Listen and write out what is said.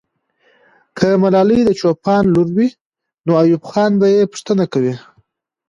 که ملالۍ د چوپان لور وي، نو ایوب خان به یې پوښتنه کوي.